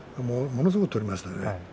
ものすごく取りましたね。